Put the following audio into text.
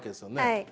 はい。